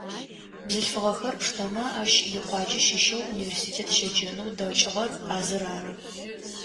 Бзылъфыгъэхэр пштэмэ, ащ икъуаджэ щыщэу, университет щеджэнэу дэкӏыгъэр а зыр ары.